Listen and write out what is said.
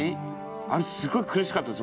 あれすごい苦しかったです